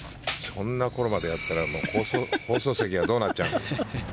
そんな頃までやったら放送席はどうなっちゃうんだ。